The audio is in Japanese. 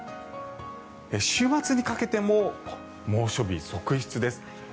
週末にかけても猛暑日続出です。